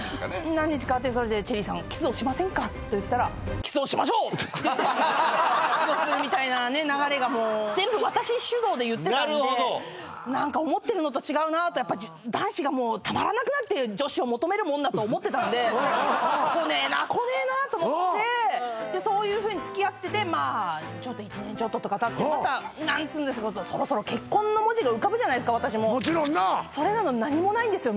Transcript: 何日かあってそれで「チェリーさんキスをしませんか」と言ったら「キスをしましょう！」って言ってキスをするみたいな流れがもう全部私主導で言ってたんでなるほど何か思ってるのと違うなと男子がもうたまらなくなって女子を求めるもんだと思ってたんでこねえなこねえなと思ってでそういうふうにつきあってて１年ちょっととかたってまた何つうんですそろそろ結婚の文字が浮かぶじゃないですか私もそれなのに何もないんですよ